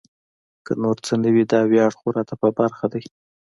که نور څه نه وي دا ویاړ خو را په برخه دی.